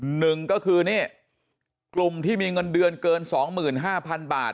หนึ่งก็คือนี่กลุ่มที่มีเงินเดือนเกิน๒๕๐๐๐บาท